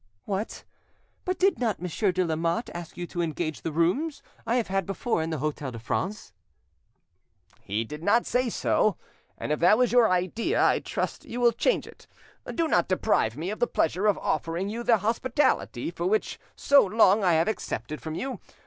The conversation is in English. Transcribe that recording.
"What! but did not Monsieur de Lamotte ask you to engage the rooms I have had before at the Hotel de France?" "He did not say so, and if that was your idea I trust you will change it. Do not deprive me of the pleasure of offering you the hospitality which for so long I have accepted from you.